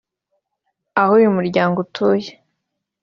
aho uyu muryango utuye